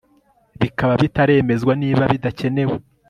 Bikaba bitaremezwa niba bidakenewe